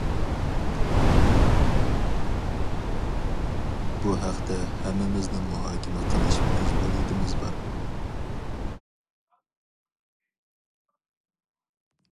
بۇ ھەقتە ھەممىمىزنىڭ مۇھاكىمە قىلىش مەجبۇرىيىتىمىز بار.